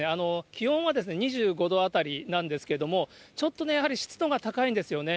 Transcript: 気温は２５度あたりなんですけれども、ちょっとやはり湿度高いんですよね。